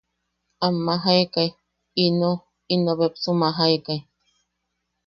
Am majaikai, ino, ino beksu majaikai.